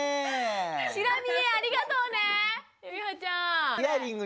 チラ見えありがとうねゆいはちゃん。